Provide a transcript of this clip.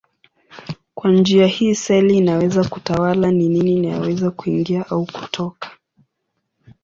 Kwa njia hii seli inaweza kutawala ni nini inayoweza kuingia au kutoka.